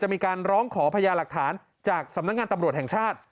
มีการร้องขอพญาหลักฐานจากสำนักงานตำรวจแห่งชาติ